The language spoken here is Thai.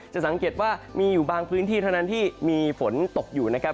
จะสังเกตว่ามีอยู่บางพื้นที่เท่านั้นที่มีฝนตกอยู่นะครับ